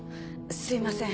すみません。